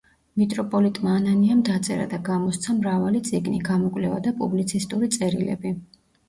მიტროპოლიტმა ანანიამ დაწერა და გამოსცა მრავალი წიგნი, გამოკვლევა და პუბლიცისტური წერილები.